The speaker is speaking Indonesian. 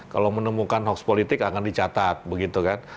kalau menemukan hoax politik akan dicatat begitu kan